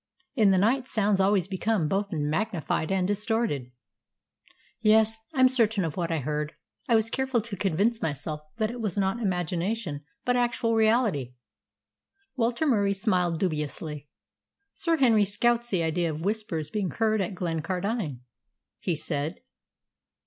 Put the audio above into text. In the night sounds always become both magnified and distorted." "Yes, I'm certain of what I heard. I was careful to convince myself that it was not imagination, but actual reality." Walter Murie smiled dubiously. "Sir Henry scouts the idea of the Whispers being heard at Glencardine," he said.